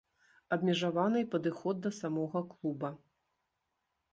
Абмежаваны і падыход да самога клуба.